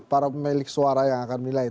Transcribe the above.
para pemilik suara yang akan menilai